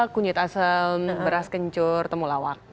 kunyit asem beras kencur temulawak